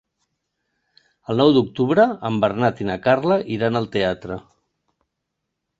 El nou d'octubre en Bernat i na Carla iran al teatre.